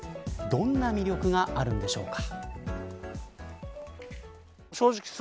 どんな魅力があるんでしょうか。